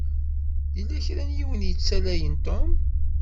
Yella kra n yiwen i yeṭṭalayen Tom.